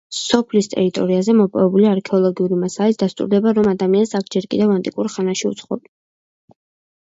სოფლის ტერიტორიაზე მოპოვებული არქეოლოგიური მასალით დასტურდება, რომ ადამიანს აქ ჯერ კიდევ ანტიკურ ხანაში უცხოვრია.